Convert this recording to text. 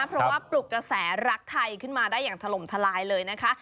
เพราะว่าปลุกกระแสรักไทยขึ้นมาได้อย่างถล่มทลายเลยนะคะ